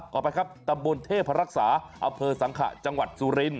ต่อไปครับตำบลเทพรักษาอเภอสังขะจังหวัดสุรินท